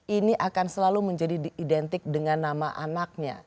ini akan selalu menjadi identik dengan nama anaknya